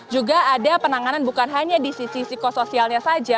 juga ada penanganan bukan hanya di sisi psikosoialnya saja